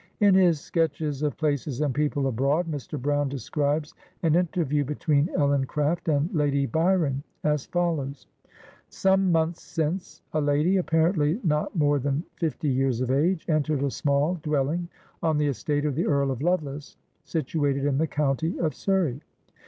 In his " Sketches of Places and People Abroad," Mr. Brown describes an interview between Ellen Craft and Lady Byron as follows :—" Some months since, a lady, apparently not more than fifty years of age, entered a small dwelling on the estate of the Earl of Lovelace, situated in the county of Surry.